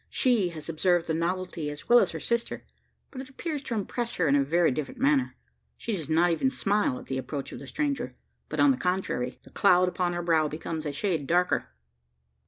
She has observed the novelty as well as her sister; but it appears to impress her in a very different manner. She does not even smile at the approach of the stranger; but, on the contrary, the cloud upon her brow becomes a shade darker.